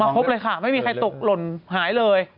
พบเลยค่ะไม่มีใครตกหล่นหายเลย